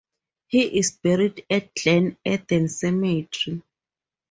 He is buried at Glen Eden Cemetery.